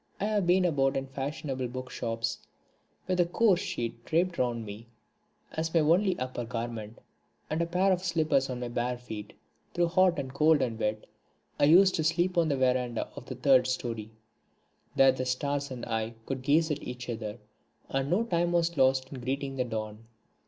I have been about in fashionable book shops with a coarse sheet draped round me as my only upper garment, and a pair of slippers on my bare feet. Through hot and cold and wet I used to sleep out on the verandah of the third storey. There the stars and I could gaze at each other, and no time was lost in greeting the dawn.